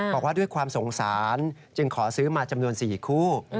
บอกว่าด้วยความสงสารจึงขอซื้อมาจำนวน๔คู่